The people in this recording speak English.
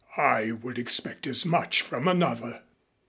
I would expect as much from another."